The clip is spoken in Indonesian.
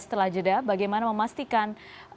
setelah jeda bagaimana memastikan